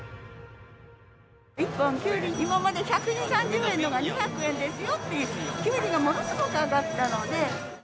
１本のキュウリ、今まで１２０、３０円のが２００円ですよっていう、キュウリがものすごく上がったので。